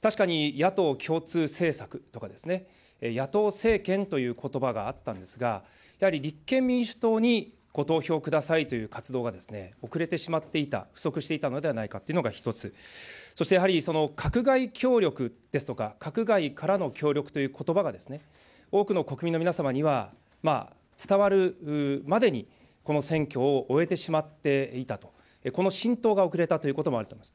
確かに野党共通政策とかですね、野党政権ということばがあったんですが、やはり立憲民主党にご投票くださいという活動が遅れてしまっていた、不足していたのではないかというのが一つ、そしてやはり閣外協力ですとか、閣外からの協力ということばが、多くの国民の皆様には、伝わるまでにこの選挙を終えてしまっていたと、この浸透が遅れたということもあると思います。